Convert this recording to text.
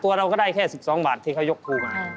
๑๕ตัวเราก็ได้แค่๑๒บาทที่เขายกถูกนะ